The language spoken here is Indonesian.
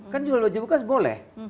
kan jual loji bekas boleh